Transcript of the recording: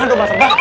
mana domba terbang